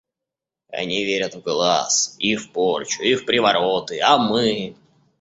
Они верят в глаз, и в порчу, и в привороты, а мы....